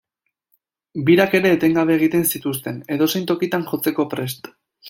Birak ere etengabe egiten zituzten, edozein tokitan jotzeko prest.